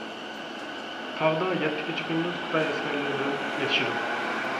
تاغدا يەتتە كېچە-كۈندۈز خىتاي ئەسكەرلىرى بىلەن ئېتىشىدۇ.